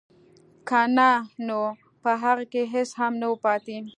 که نه نو په هغه کې هېڅ هم نه وو پاتې